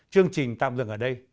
chương trình tạm dừng ở đây